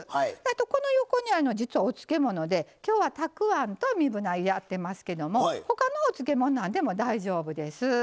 この横に実はお漬物できょうはたくあんとみぶ菜やってますけどもほかのお漬物何でも大丈夫です。